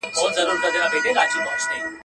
مسجد چي هر رنگه خراب سي، محراب ئې پر ځاى وي.